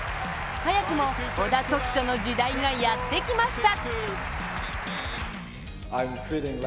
早くも小田凱人の時代がやってきました。